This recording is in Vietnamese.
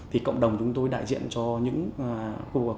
thì cộng đồng chúng tôi đại diện cho những cô và con này